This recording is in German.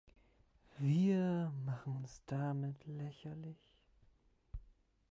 Wir machen uns damit lächerlich.